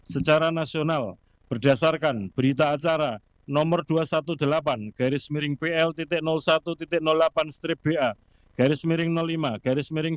secara nasional berdasarkan berita acara nomor dua ratus delapan belas pl satu delapan ba lima dua ribu dua puluh empat